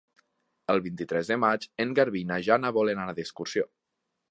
El vint-i-tres de maig en Garbí i na Jana volen anar d'excursió.